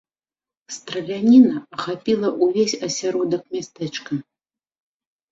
Страляніна ахапіла ўвесь асяродак мястэчка.